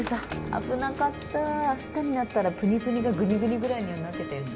危なかった明日になったらプニプニがグニグニぐらいにはなってたよね。